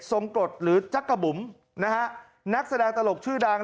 สงกรรษหรือจักกะบุ๋มนักแสดงตลกชื่อดัง